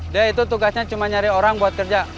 dia itu tugasnya cuma nyari orang buat kerja